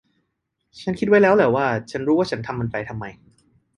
ฉันคิดไว้แล้วแหละว่า ฉันรู้ว่าฉันทำมันไปทำไม